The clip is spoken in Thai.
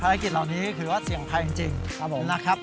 ภารกิจเหล่านี้ถือว่าเสี่ยงภัยจริงครับผมนะครับ